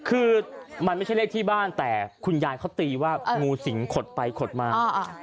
คือมันไม่ใช่เลขที่บ้านแต่คุณยายเขาตีว่างูสิงขดไปขดมา